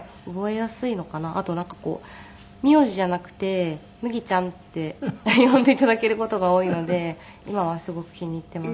あとなんかこう名字じゃなくて「麦ちゃん」って呼んで頂ける事が多いので今はすごく気に入っています。